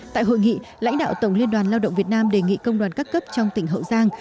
tại hội nghị lãnh đạo tổng liên đoàn lao động việt nam đề nghị công đoàn các cấp trong tỉnh hậu giang